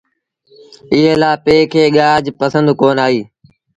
ايئي لآ پي کي ڳآج پنسند ڪونا آئيٚ۔